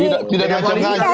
tidak ada kebersamaan